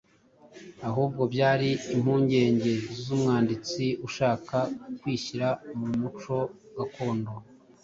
ahubwo byari impungenge z'umwanditsi ushaka kwishyira mu muco gakondo